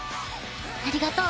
ありがとう。